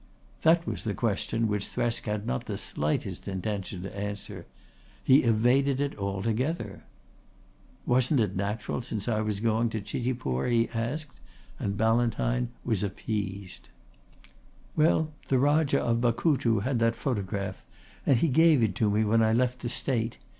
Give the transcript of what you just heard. That was a question which Thresk had not the slightest intention to answer. He evaded it altogether. "Wasn't it natural since I was going to Chitipur?" he asked, and Ballantyne was appeased. "Well, the Rajah of Bakutu had that photograph and he gave it to me when I left the State.